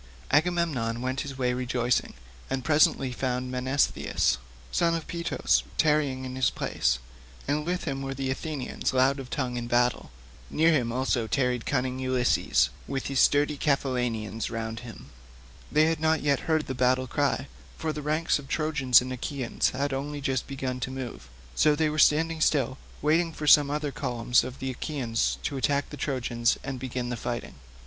Agamemnon went his way rejoicing, and presently found Menestheus, son of Peteos, tarrying in his place, and with him were the Athenians loud of tongue in battle. Near him also tarried cunning Ulysses, with his sturdy Cephallenians round him; they had not yet heard the battle cry, for the ranks of Trojans and Achaeans had only just begun to move, so they were standing still, waiting for some other columns of the Achaeans to attack the Trojans and begin the fighting.